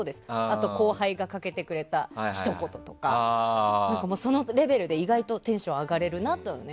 あと、後輩がかけてくれたひと言とかそのレベルで意外とテンション上がれるなっていうのは。